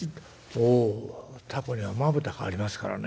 「おおタコにはまぶたがありますからね」。